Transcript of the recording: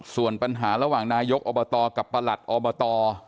ส่วนปัญหาระหว่างนายกอบตกับประหลัดอบต